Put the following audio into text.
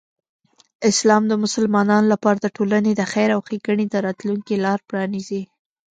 اسلام د مسلمانانو لپاره د ټولنې د خیر او ښېګڼې د راتلوونکی لاره پرانیزي.